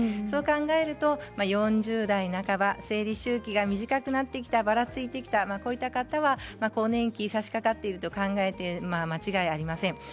そう考えると４０代半ば生理周期が短くなってきたばらつきが出てきた方は更年期にさしかかっていると考えで間違いありません。